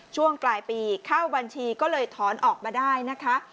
ช่วงปลายปีเข้าบัญชีก็เลยถอนออกมาได้นะคะ